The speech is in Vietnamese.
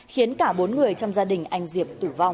khiến cả bốn người trong gia đình anh diệp tử vong